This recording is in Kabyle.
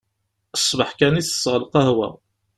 Ṣbeḥ kan i tesseɣ lqahwa.